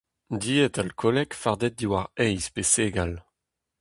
Died alkoolek fardet diwar heiz pe segal.